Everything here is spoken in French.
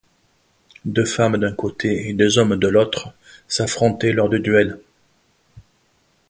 Deux femmes d'un côté et deux hommes de l'autre s'affrontaient lors de duels.